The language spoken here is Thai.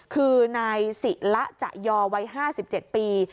คือนายศิละจะยอวัย๕๗ปี